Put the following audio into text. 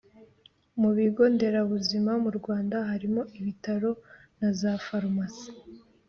mu bigo nderabuzima mu rwanda harimo ibitaro na za farumasi.